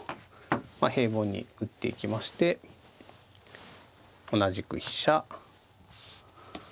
まあ平凡に打っていきまして同じく飛車